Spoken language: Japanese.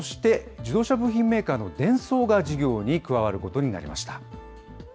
そして自動車部品メーカーのデンソーが事業に加わることになりま